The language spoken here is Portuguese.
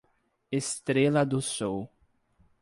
Estrela do Sul